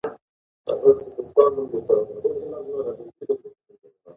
ټولنیزې اړیکې ژوند اوږدوي.